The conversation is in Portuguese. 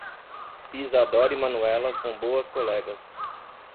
Isadora e Manuela são boas colegas.